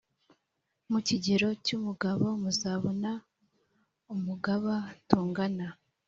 Mu kigero cy’umugabo muzabona umugaba tungana